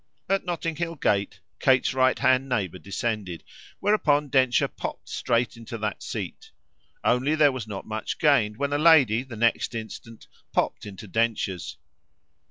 At Notting Hill Gate Kate's right hand neighbour descended, whereupon Densher popped straight into that seat; only there was not much gained when a lady the next instant popped into Densher's.